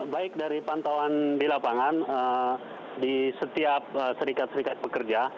baik dari pantauan di lapangan di setiap serikat serikat pekerja